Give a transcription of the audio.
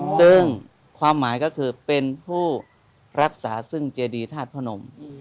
ซึ่งความหมายก็คือเป็นผู้รักษาซึ่งเจดีธาตุพระนม